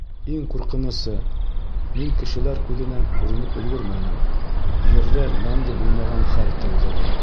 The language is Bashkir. Иң ҡурҡынысы: мин кешеләр күҙенә күренеп өлгөрмәнем, Ерҙә мәңге булмаған хәл тыуҙы.